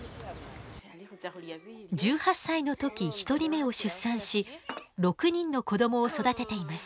１８歳の時１人目を出産し６人の子どもを育てています。